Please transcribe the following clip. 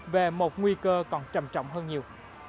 về một nguy cơ còn trầm trọng hơn nhiều